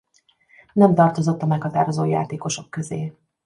Nem tartozott a meghatározó játékosok közé.